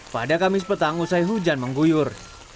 tadi juga langsung surut